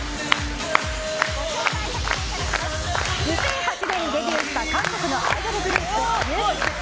２００８年にデビューした韓国のアイドルグループＵＫＩＳＳ。